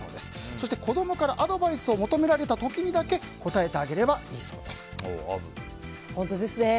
そして、子供からアドバイスを求められた時にだけ本当ですね。